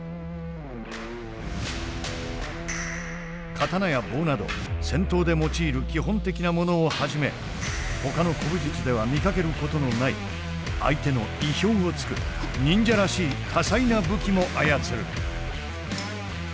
刀や棒など戦闘で用いる基本的なものをはじめほかの古武術では見かけることのない相手の意表をつく忍者らしい多彩な武器も操る。